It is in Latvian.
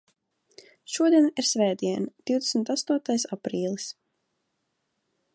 Šodien ir svētdiena, divdesmit astotais aprīlis.